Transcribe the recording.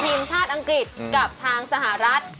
ทีมชาติอังกฤษกับทางสหรัฐ